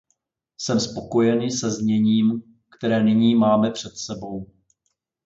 Jsem spokojený se zněním, které nyní máme před sebou.